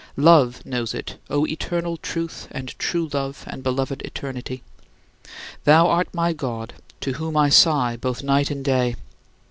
Love knows it, O Eternal Truth and True Love and Beloved Eternity! Thou art my God, to whom I sigh both night and day.